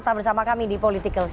tetap bersama kami di politikals